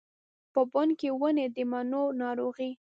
په بڼ کې ونې د مڼو، ناروغې